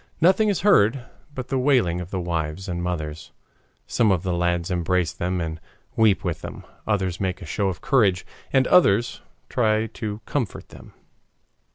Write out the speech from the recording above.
Nothing is heard but the wailing of the wives and mothers. Some of the lads embrace them and weep with them, others make a show of courage, and others try to comfort them.